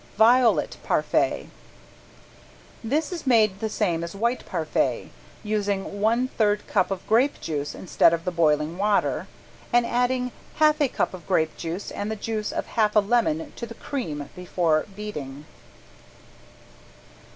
~VIOLET PARFAIT~ This is made the same as white parfait, using one third cup of grape juice instead of the boiling water, and adding half a cup of grape juice and the juice of half a lemon to the cream before beating.